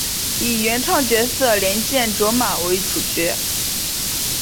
以原创角色莲见琢马为主角。